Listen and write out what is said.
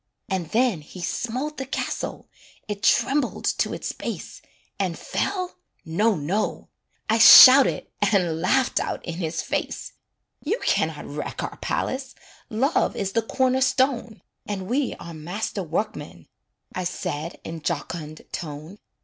And then he smote the castle, It trembled to its base, And fell? No, no I shouted And laughed out in his face: "You can not wreck our palace, Love is the corner stone, And we are master workmen," I said, in jocund tone.